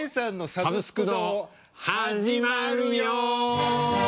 「サブスク堂」始まるよ！